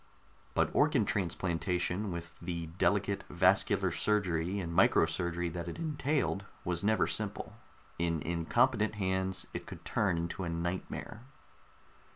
But organ transplantation, with the delicate vascular surgery and micro surgery that it entailed, was never simple. In incompetent hands, it could turn into a nightmare.